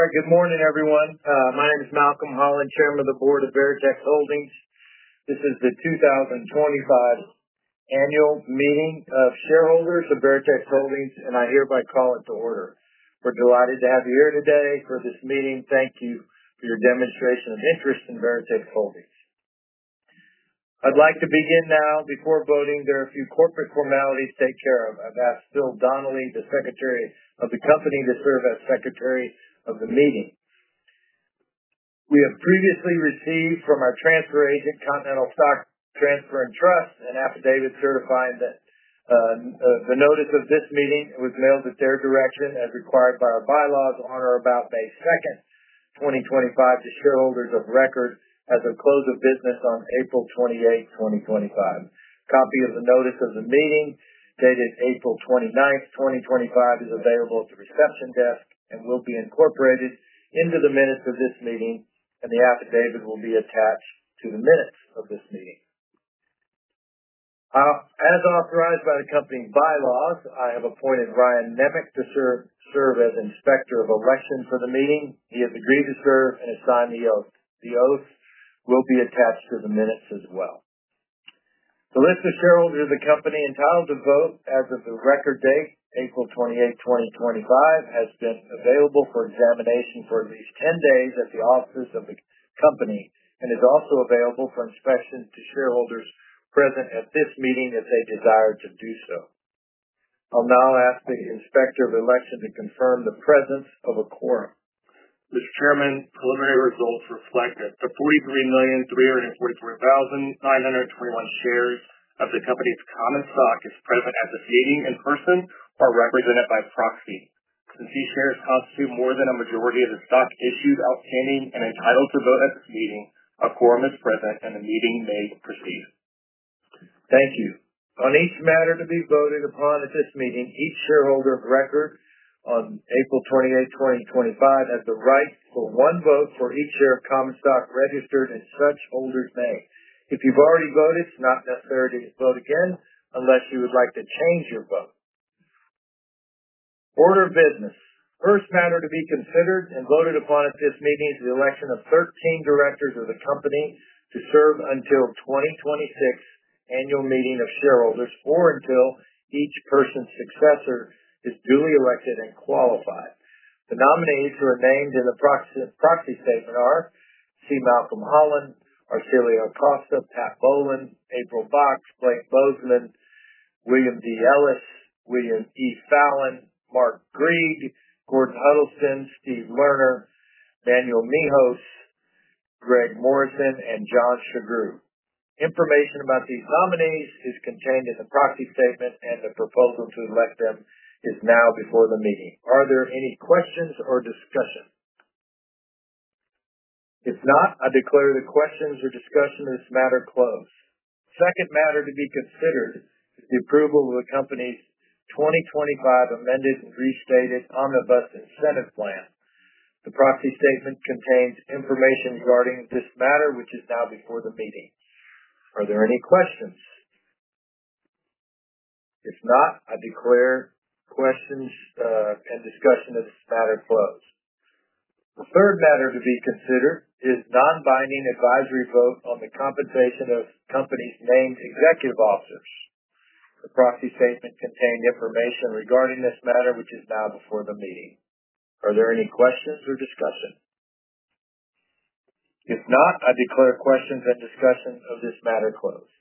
All right. Good morning, everyone. My name is Malcolm Holland, Chairman of the Board of Veritex Holdings. This is the 2025 Annual Meeting of Shareholders of Veritex Holdings, and I hereby call it to order. We're delighted to have you here today for this meeting. Thank you for your demonstration of interest in Veritex Holdings. I'd like to begin now. Before voting, there are a few corporate formalities to take care of. I've asked Phil Donnelly, the Secretary of the Company, to serve as Secretary of the Meeting. We have previously received from our transfer agent, Continental Stock Transfer and Trust, an affidavit certifying that the notice of this meeting was mailed at their direction, as required by our bylaws, on or about May 2, 2025, to shareholders of record as of close of business on April 28, 2025. A copy of the notice of the meeting dated April 29, 2025, is available at the reception desk and will be incorporated into the minutes of this meeting, and the affidavit will be attached to the minutes of this meeting. As authorized by the Company Bylaws, I have appointed Ryan Nemec to serve as Inspector of Election for the meeting. He has agreed to serve and has signed the oath. The oath will be attached to the minutes as well. The list of shareholders of the Company entitled to vote as of the record date, April 28, 2025, has been available for examination for at least 10 days at the offices of the Company and is also available for inspection to shareholders present at this meeting if they desire to do so. I'll now ask the Inspector of Election to confirm the presence of a quorum. Mr. Chairman, preliminary results reflect that 43,344,921 shares of the Company's common stock is present at this meeting in person or represented by proxy. Since these shares constitute more than a majority of the stock issued outstanding and entitled to vote at this meeting, a quorum is present, and the meeting may proceed. Thank you. On each matter to be voted upon at this meeting, each shareholder of record on April 28, 2025, has the right for one vote for each share of common stock registered in such holders' name. If you've already voted, it's not necessary to vote again unless you would like to change your vote. Order of business. First matter to be considered and voted upon at this meeting is the election of 13 directors of the Company to serve until the 2026 Annual Meeting of Shareholders or until each person's successor is duly elected and qualified. The nominees who are named in the proxy statement are: C. Malcolm Holland, Arcilia C. Acosta, Pat S. Bolin, April Box, Blake P. Bozman, William D. Ellis, William E. Fallon, Mark C. Griege, Gordon Huddleston, Steve Lerner, Manuel Mehos, Greg Morrison, and John T. Sughrue. Information about these nominees is contained in the proxy statement, and the proposal to elect them is now before the meeting. Are there any questions or discussion? If not, I declare the questions or discussion of this matter closed. The second matter to be considered is the approval of the Company's 2025 amended and restated omnibus incentive plan. The proxy statement contains information regarding this matter, which is now before the meeting. Are there any questions? If not, I declare questions and discussion of this matter closed. The third matter to be considered is a non-binding advisory vote on the compensation of the Company's named executive officers. The proxy statement contained information regarding this matter, which is now before the meeting. Are there any questions or discussion? If not, I declare questions and discussion of this matter closed.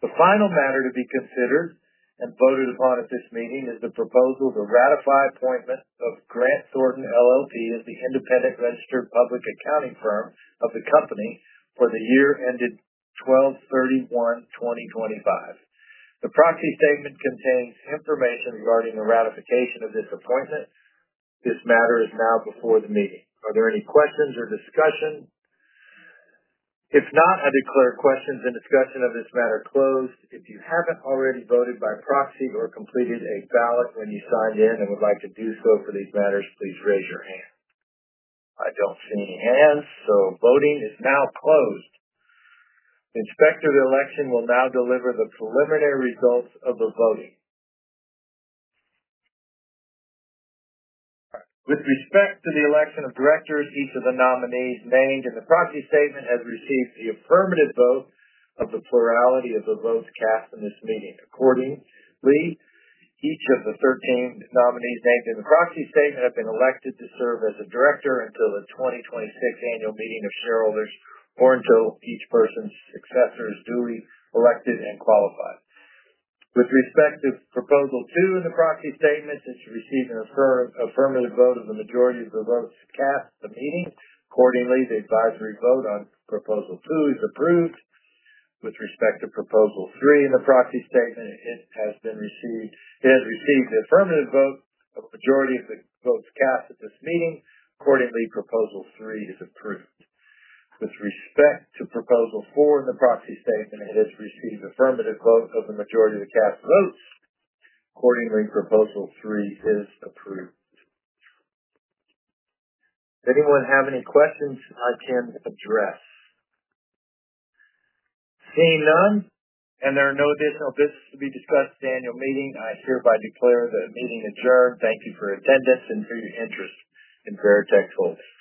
The final matter to be considered and voted upon at this meeting is the proposal to ratify appointment of Grant Thornton, LLP, as the independent registered public accounting firm of the Company for the year ended December 31, 2025. The proxy statement contains information regarding the ratification of this appointment. This matter is now before the meeting. Are there any questions or discussion? If not, I declare questions and discussion of this matter closed. If you haven't already voted by proxy or completed a ballot when you signed in and would like to do so for these matters, please raise your hand. I don't see any hands, so voting is now closed. The Inspector of Election will now deliver the preliminary results of the voting. With respect to the election of directors, each of the nominees named in the proxy statement has received the affirmative vote of the plurality of the votes cast in this meeting. Accordingly, each of the 13 nominees named in the proxy statement have been elected to serve as a director until the 2026 Annual Meeting of Shareholders or until each person's successor is duly elected and qualified. With respect to Proposal 2 in the proxy statement, it's received an affirmative vote of the majority of the votes cast at the meeting. Accordingly, the advisory vote on Proposal 2 is approved. With respect to Proposal 3 in the proxy statement, it has received the affirmative vote of the majority of the votes cast at this meeting. Accordingly, Proposal 3 is approved. With respect to Proposal 4 in the proxy statement, it has received the affirmative vote of the majority of the cast votes. Accordingly, Proposal 3 is approved. Does anyone have any questions I can address? Seeing none, and there is no additional business to be discussed at the Annual Meeting, I hereby declare the meeting adjourned. Thank you for your attendance and for your interest in Veritex Holdings.